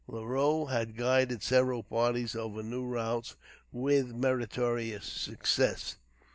Leroux has guided several parties over new routes with meritorious success.